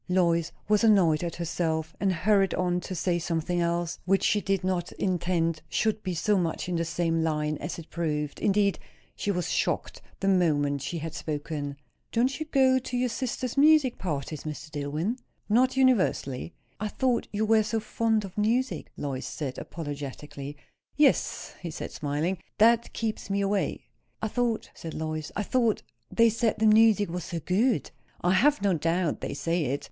Lois was annoyed at herself; and hurried on to say something else, which she did not intend should be so much in the same line as it proved. Indeed, she was shocked the moment she had spoken. "Don't you go to your sister's music parties, Mr. Dillwyn?" "Not universally." "I thought you were so fond of music" Lois said apologetically. "Yes," he said, smiling. "That keeps me away." "I thought," said Lois, "I thought they said the music was so good?" "I have no doubt they say it.